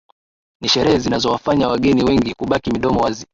Ni sherehe zinazowafanya wageni wengi kubaki midomo wazi